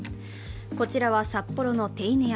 こちらは札幌の手稲山。